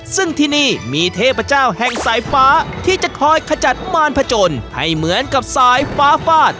ซึ่งที่นี่มีเทพเจ้าแห่งสายฟ้าที่จะคอยขจัดมารพจนให้เหมือนกับสายฟ้าฟาด